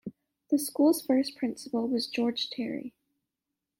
The school's first principal was George Terry.